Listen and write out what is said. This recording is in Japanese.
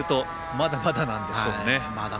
まだまだなんでしょうね。